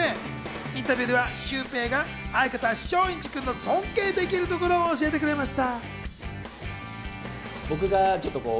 インタビューではシュウペイが相方・松陰寺君の尊敬できるところを教えてくれました。